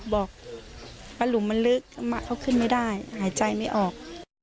บอกปลาหลุมมันลึกเขาขึ้นไม่ได้หายใจไม่ออก